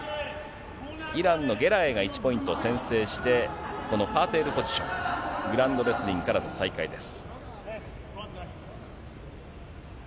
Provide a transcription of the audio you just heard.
イランのゲラエイが１ポイント先制して、このパーテレポジション、グラウンドレスリングからの再開です。